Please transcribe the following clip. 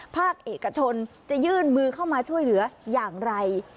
ภาคเอกชนจะยื่นมือเข้ามาช่วยเหลืออย่างไร